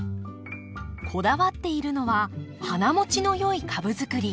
こだわっているのは花もちのよい株づくり。